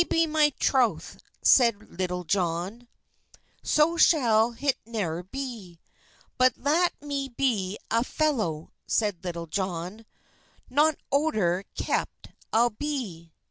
"Nay, be my trouthe," seid Litulle Johne, "So shall hit neuer be, But lat me be a felow," seid Litulle Johne, "Non odur kepe I'll be."